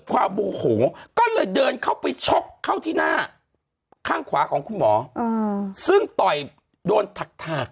โมโหก็เลยเดินเข้าไปชกเข้าที่หน้าข้างขวาของคุณหมอซึ่งต่อยโดนถัก